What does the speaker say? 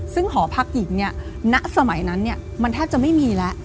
ซึ่งหอพักหญิงเนี่ยณสมัยนั้นมันแทบจะไม่มีแล้ว